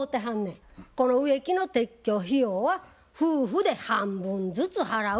この植木の撤去費用は夫婦で半分ずつ払う。